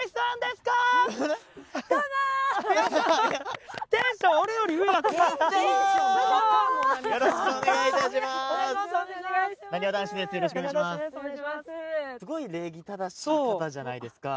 すごい礼儀正しい方じゃないですか。